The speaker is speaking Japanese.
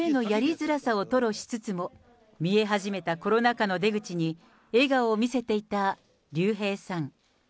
づらさを吐露しつつも、見え始めたコロナ禍の出口に笑顔を見せていた竜兵さん。